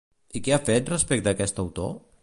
I què ha fet respecte aquest autor?